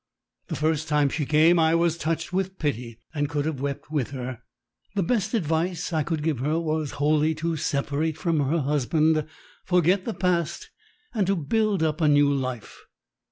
The first time she came I was touched with pity and could have wept with her. The best advice I could give her was wholly to separate from her husband, forget the past, and to build up a new life.